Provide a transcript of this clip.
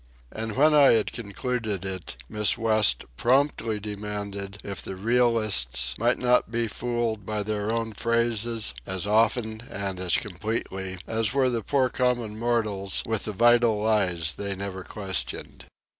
And when I had concluded it, Miss West promptly demanded if the realists might not be fooled by their own phrases as often and as completely as were the poor common mortals with the vital lies they never questioned.